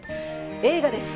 映画です。